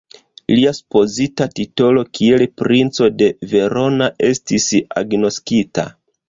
Lia supozita titolo kiel princo de Verona estis agnoskita.